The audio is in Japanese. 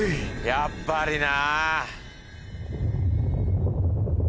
やっぱりな。